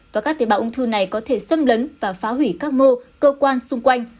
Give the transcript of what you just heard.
và các tế bào ung thư này có thể xâm lấn và phá hủy các mô cơ quan xung quanh